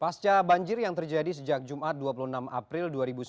pasca banjir yang terjadi sejak jumat dua puluh enam april dua ribu sembilan belas